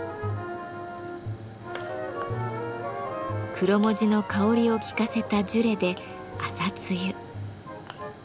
クロモジの香りを効かせたジュレで朝露。